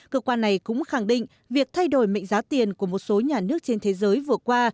cơ quan này cũng khẳng định việc thay đổi mệnh giá tiền của một số nhà nước trên thế giới vừa qua